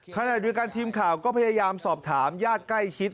ขณะเดียวกันทีมข่าวก็พยายามสอบถามญาติใกล้ชิด